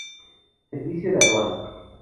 Servicio de aduana.